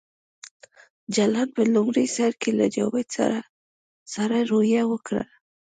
جلان په لومړي سر کې له جاوید سره سړه رویه وکړه